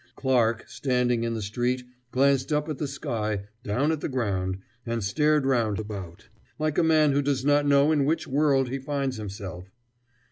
Clarke, standing in the street, glanced up at the sky, down at the ground, and stared round about, like a man who does not know in which world he finds himself.